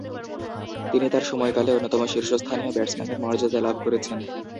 তিনি তার সময়কালে অন্যতম শীর্ষস্থানীয় ব্যাটসম্যানের মর্যাদা লাভ করেছেন।